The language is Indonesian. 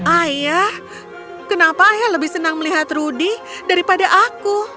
ayah kenapa ayah lebih senang melihat rudy daripada aku